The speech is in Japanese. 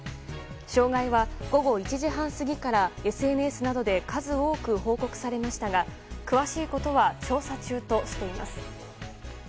障害は午後１時半過ぎからＳＮＳなどで数多く報告されましたが詳しいことは調査中としています。